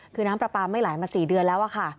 คือน้ำปลาปลาไม่ไหลมา๔เดือนแล้วค่ะ